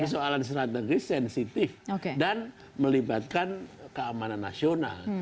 persoalan strategis sensitif dan melibatkan keamanan nasional